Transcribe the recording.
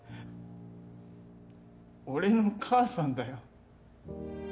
俺の母さんだよ。